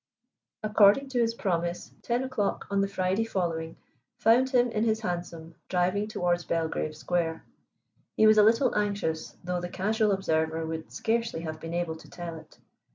According to his promise, ten o'clock on the Friday following found him in his hansom driving towards Belgrave Square. He was a little anxious, though the casual observer would scarcely have been able to tell it.